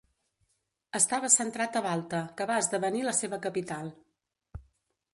Estava centrat a Balta, que va esdevenir la seva capital.